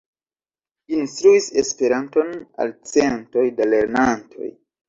Instruis Esperanton al centoj da lernantoj.